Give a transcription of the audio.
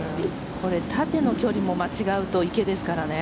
縦の距離も間違うと池ですからね。